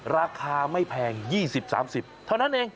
ราคาไม่แพง๒๐๓๐เท่านั้นเอง